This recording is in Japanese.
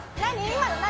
今の何？